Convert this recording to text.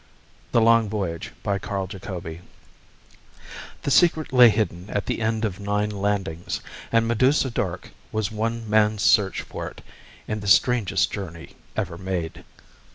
_ the long voyage by ... Carl Jacobi The secret lay hidden at the end of nine landings, and Medusa dark was one man's search for it in the strangest journey ever made.